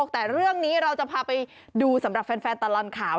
แต่เรื่องนี้เราจะพาไปดูสำหรับแฟนตลอดข่าว